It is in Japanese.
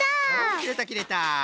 きれたきれた。